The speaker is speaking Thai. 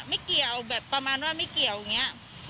ไม่เกี่ยวแบบประมาณว่าไม่เกี่ยวอย่างนี้